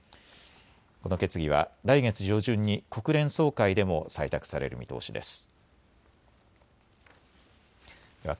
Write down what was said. この決議は来月上旬に国連総会でも採択される見通しです。